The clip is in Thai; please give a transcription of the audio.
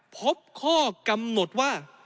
พบข้อกำหนดว่า